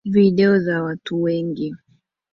Video za watu wengi.